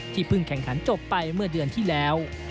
เพิ่งแข่งขันจบไปเมื่อเดือนที่แล้ว